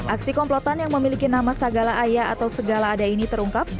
aksi komplotan yang memiliki nama sagala ayah atau segala ada ini terungkap